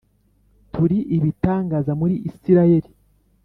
turi ibitangaza muri Isirayeli